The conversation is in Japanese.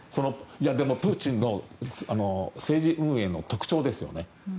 でも、プーチンの政治運営の特徴ですよね。